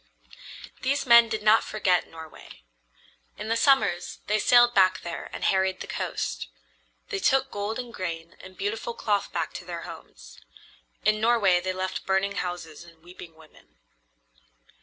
These men did not forget Norway. In the summers they sailed back there and harried the coast. They took gold and grain and beautiful cloth back to their homes. In Norway they left burning houses and weeping women.